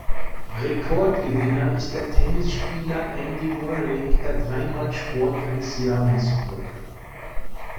Rekordgewinner ist der Tennisspieler Andy Murray, der dreimal Sportler des Jahres wurde.